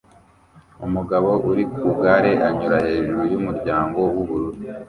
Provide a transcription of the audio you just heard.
Umugabo uri ku igare anyura hejuru yumuryango wubururu